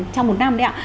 trong một năm đấy ạ